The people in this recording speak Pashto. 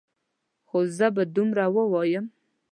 خو زه به دومره ووایم.